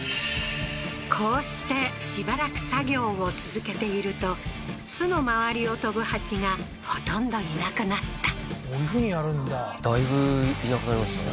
こうしてしばらく作業を続けていると巣の周りを飛ぶ蜂がほとんど居なくなったこういうふうにやるんだだいぶ居なくなりましたね